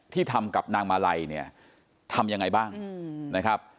ทำกับนางมาลัยเนี่ยทำยังไงบ้างนะครับ